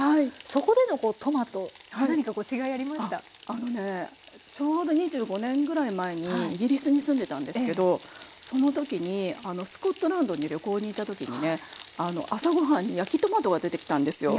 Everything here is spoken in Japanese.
あのねちょうど２５年ぐらい前にイギリスに住んでたんですけどその時にスコットランドに旅行に行った時にね朝ご飯に焼きトマトが出てきたんですよ。